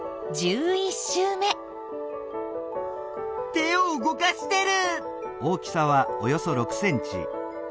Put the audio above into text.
手を動かしてる！